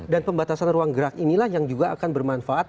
dan pembatasan ruang gerak inilah yang juga akan bermanfaat